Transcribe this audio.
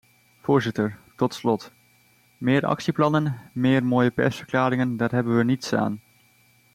Voorzitter, tot slot, meer actieplannen, meer mooie persverklaringen, daar hebben we niets aan.